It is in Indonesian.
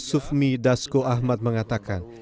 sufmi dasko ahmad mengatakan